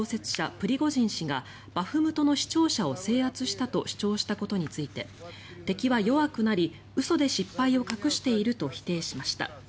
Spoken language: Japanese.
プリゴジン氏がバフムトの市庁舎を制圧したと主張したことについて敵は弱くなり嘘で失敗を隠していると否定しました。